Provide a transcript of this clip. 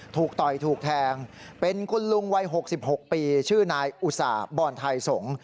ต่อยถูกแทงเป็นคุณลุงวัย๖๖ปีชื่อนายอุตส่าห์บอลไทยสงศ์